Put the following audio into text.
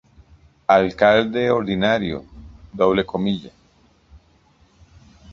Alcalde ordinario"".